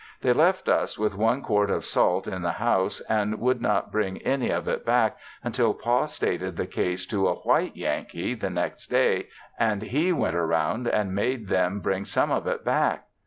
They left us with one quart of salt in the house and would not bring any of it back, until Pa stated the case to a white Yankee, the next day and he went around and made them bring some of it back.